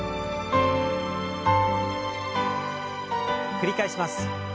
繰り返します。